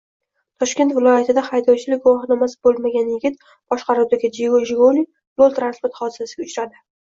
Toshkent viloyatida haydovchilik guvohnomasi bo‘lmagan yigit boshqaruvidagi Jiguli yo´l transport hodisasiga uchradi